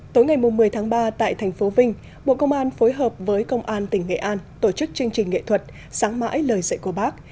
tối ngày một mươi tháng ba tại thành phố vinh bộ công an phối hợp với công an tỉnh nghệ an tổ chức chương trình nghệ thuật sáng mãi lời dạy của bác